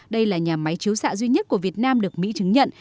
đây là nhà máy chiếu xạ duy nhất của việt nam được mỹ chứng nhận